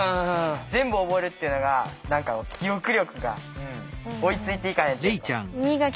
全部覚えるっていうのが何か記憶力が追いついていかへんというか。